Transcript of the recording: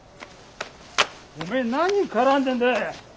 おめえ何絡んでんだ。